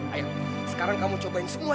ayah sekarang kamu cobain semuanya ya